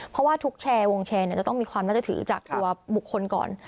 เพราะว่าทุกแชร์วงแชร์จะต้องมีความน่าจะถือจากตัวบุคคลก่อน